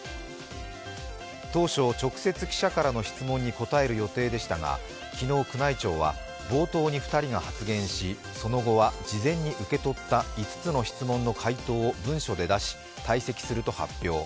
当初、直接記者からの質問に答える予定でしたが昨日、宮内庁は冒頭に２人が発言しその後は事前に受け取った５つの質問の回答を文書で出し退席すると発表。